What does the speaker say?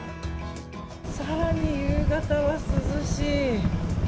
更に夕方は涼しい。